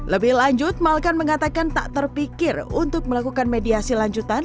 lebih lanjut malkan mengatakan tak terpikir untuk melakukan mediasi lanjutan